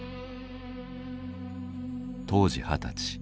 当時二十歳。